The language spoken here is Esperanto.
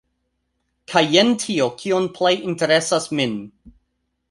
Kaj jen tio kio plej interesas min!